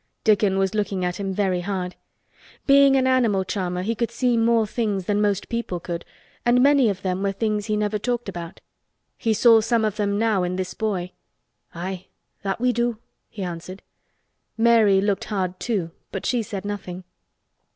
Dickon was looking at him very hard. Being an animal charmer he could see more things than most people could and many of them were things he never talked about. He saw some of them now in this boy. "Aye, that we do," he answered. Mary looked hard too, but she said nothing.